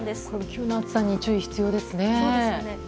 急な暑さに注意が必要ですね。